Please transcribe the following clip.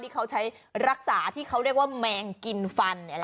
ที่เขาใช้รักษาที่เขาเรียกว่าแมงกินฟัน